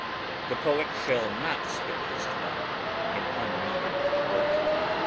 The poet shall not spend his time in unneeded work.